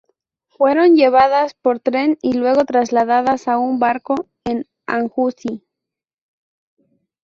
Fueron llevadas por tren y luego trasladadas a un barco en Anju-si.